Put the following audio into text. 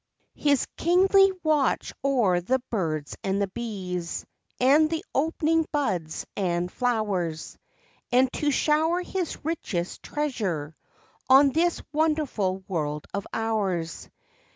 58 LIFE WAVES His kingly watch o'er the birds and the bees, And the opening buds and flowers, And to shower his richest treasure On this wonderful world of ours.